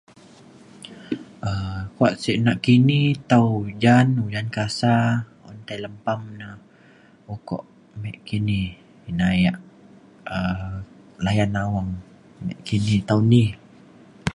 um kuak sek nakini tau ujan, ujan kasa. un tai lempam na ukok me kini. ina yak um layan awang me kini tau ni.